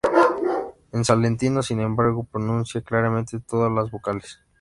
El salentino, sin embargo, pronuncia claramente todas las vocales.